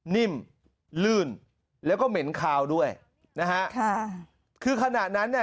นิ่มลื่นแล้วก็เหม็นคาวด้วยนะฮะค่ะคือขณะนั้นเนี่ย